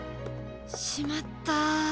しまった。